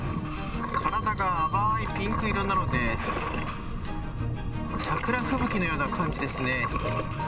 体が淡いピンク色なので桜吹雪のような感じですね。